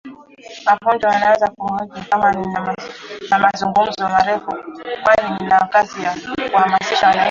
Kapunju anaanza kwa kunihoji kama nina mazungumzo marefu kwani ana kazi ya kuhamasisha wananchi